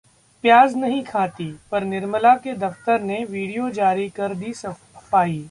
‘प्याज नहीं खाती’ पर निर्मला के दफ्तर ने वीडियो जारी कर दी सफाई